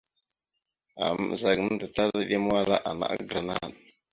Ama ɓəza gamənda tala eɗemawala ana agra naɗ.